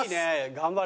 頑張れ！